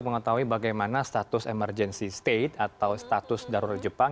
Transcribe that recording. mengetahui bagaimana status emergency state atau status darurat jepang